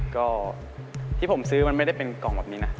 ก็ที่ผมซื้อมันไม่ได้เป็นกล่องแบบนี้นะ